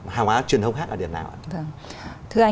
hàng hóa truyền thông khác ở việt nam ạ